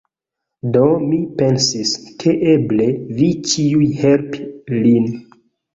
Do, mi pensis, ke eble vi ĉiuj helpi lin